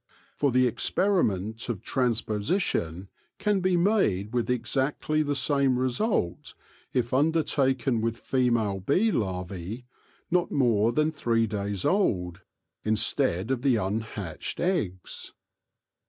For the experiment of transposition can be made with exactly the same result if undertaken with female bee larvse not more than three days old, instead of the unhatched eggs.